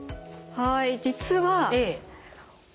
はい。